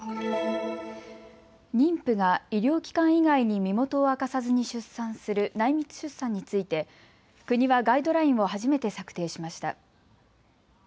妊婦が医療機関以外に身元を明かさずに出産する内密出産について国はガイドラインを初めて策定しました。